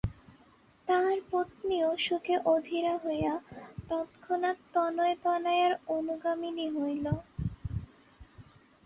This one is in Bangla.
তাহার পত্নীও শোকে অধীরা হইয়া তৎক্ষণাৎ তনয় তনয়ার অনুগামিনী হইল।